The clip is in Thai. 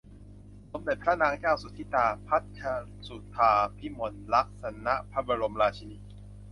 สมเด็จพระนางเจ้าสุทิดา พัชรสุธาพิมลลักษณ พระบรมราชินี